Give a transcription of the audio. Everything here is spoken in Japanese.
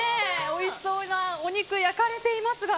おいしそうなお肉焼かれていますが